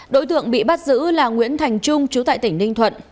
đối tượng bị bắt giữ là nguyễn thành trung chú tại tỉnh ninh thuận